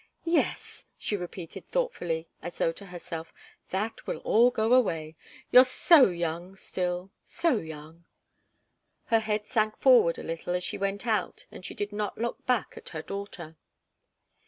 "Yes," she repeated thoughtfully, as though to herself, "that will all go away. You're so young still so young!" Her head sank forward a little as she went out and she did not look back at her daughter.